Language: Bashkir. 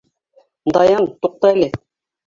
Даян, туҡта әле...